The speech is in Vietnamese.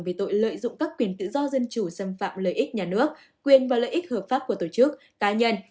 về tội lợi dụng các quyền tự do dân chủ xâm phạm lợi ích nhà nước quyền và lợi ích hợp pháp của tổ chức cá nhân